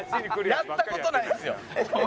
やった事ないですよ。